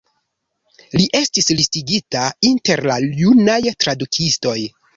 Li estis listigita inter la junaj tradukistoj.